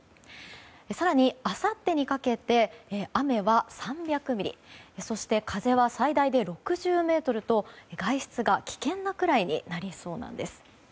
更に、あさってにかけて雨は３００ミリそして風は最大で６０メートルと外出が危険なくらいになりそうなんです。